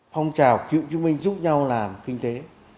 phong trào cựu chiến binh giúp nhau làm kinh tế